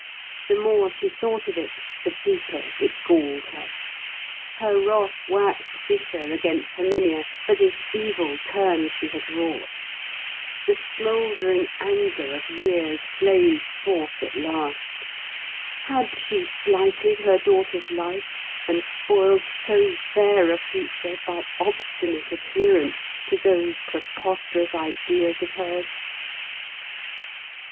The more she thought of it, the deeper it galled her. Her wrath waxed bitter against Herminia for this evil turn she had wrought. The smouldering anger of years blazed forth at last. Had she blighted her daughter's life, and spoiled so fair a future by obstinate adherence to those preposterous ideas of hers?